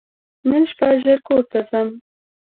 نن شپه ژر کور ته ځم !